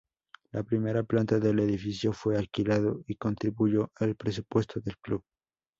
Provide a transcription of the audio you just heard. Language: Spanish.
La primera planta del edificio fue alquilado y contribuyó al presupuesto del club.